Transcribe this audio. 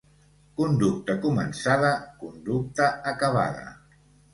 Conducta començada, conducta acabada.